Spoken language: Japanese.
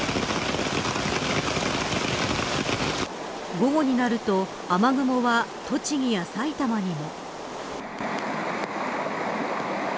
午後になると雨雲は栃木や埼玉にも。